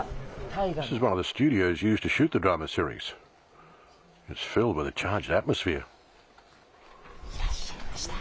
いらっしゃいました。